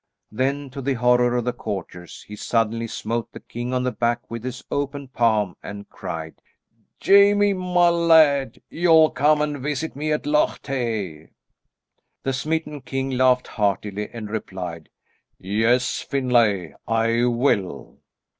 Then to the horror of the courtiers, he suddenly smote the king on the back with his open palm and cried, "Jamie, my lad, you'll come and visit me at Loch Tay?" The smitten king laughed heartily and replied, "Yes, Finlay, I will."